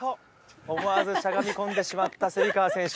思わずしゃがみ込んでしまった川選手。